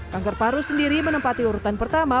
kanker paru sendiri menempati urutan pertama